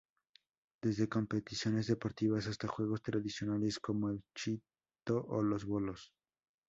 Desde competiciones deportivas, hasta juegos tradicionales como el chito o los bolos.